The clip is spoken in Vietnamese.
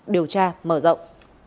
điều tra mở rộng